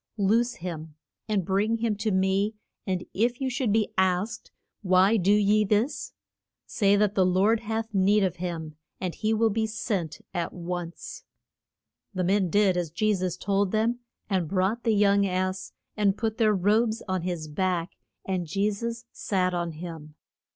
Loose him, and bring him to me, and if you should be asked, Why do ye this? Say that the Lord hath need of him, and he will be sent at once. The men did as Je sus told them, and brought the young ass and put their robes on his back, and Je sus sat on him.